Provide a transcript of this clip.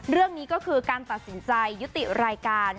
เรื่องนี้ก็คือการตัดสินใจยุติรายการ